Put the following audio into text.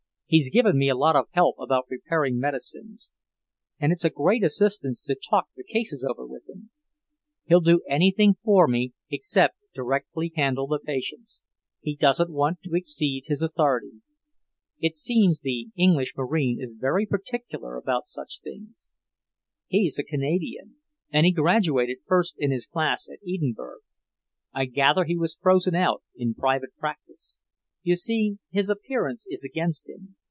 He's given me a lot of help about preparing medicines, and it's a great assistance to talk the cases over with him. He'll do anything for me except directly handle the patients. He doesn't want to exceed his authority. It seems the English marine is very particular about such things. He's a Canadian, and he graduated first in his class at Edinburgh. I gather he was frozen out in private practice. You see, his appearance is against him.